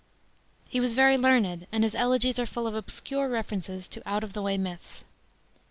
He was very learned, and his elegies are full of obscure references to out of the way myths.